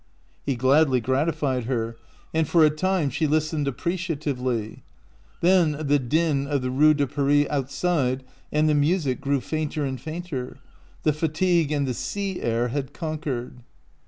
He gladly gratified her, and for a time she listened appreciatively ; then the din of the Rue de Paris outside and the music grew fainter and fainter : the fatigue and the sea air had conquered.